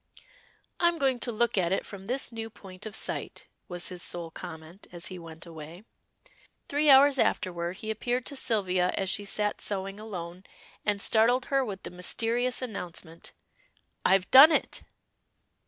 "I'm going to look at it from this new point of sight," was his sole comment as he went away. Three hours afterward he appeared to Sylvia as she sat sewing alone, and startled her with the mysterious announcement. "I've done it!"